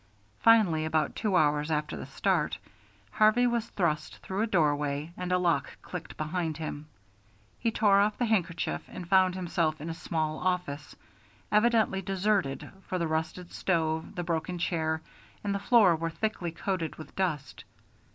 Finally, about two hours after the start, Harvey was thrust through a doorway and a lock clicked behind him. He tore off the handkerchief and found himself in a small office, evidently deserted, for the rusted stove, the broken chair, and the floor were thickly coated with dust.